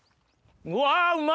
うわうま！